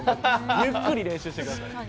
ゆっくり練習してください。